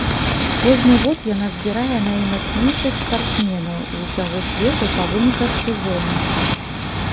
Кожны год яна збірае наймацнейшых спартсменаў з усяго свету па выніках сезону.